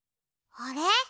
あれ？